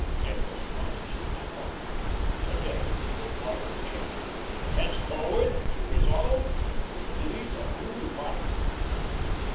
It was time she stopped. To day would mark a change. Henceforward, she resolved, she would lead a new life.